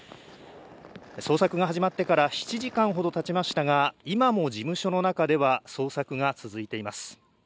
捜索が始まってから７時間ほどたちましたが、今も事務所の中では捜索が続いています。